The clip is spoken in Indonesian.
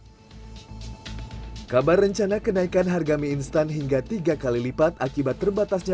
hai kabar rencana kenaikan harga mie instan hingga tiga kali lipat akibat terbatasnya